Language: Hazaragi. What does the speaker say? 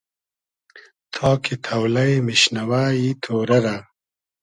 تا کی تۆلݷ میشنئوۂ ای تۉرۂ رۂ